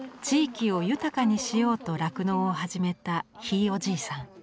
地域を豊かにしようと酪農を始めたひいおじいさん。